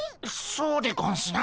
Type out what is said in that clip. そうでゴンスな。